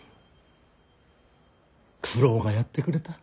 九郎がやってくれた。